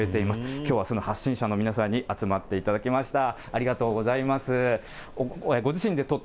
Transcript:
きょうはその発信者の皆さんに集まっていただきました。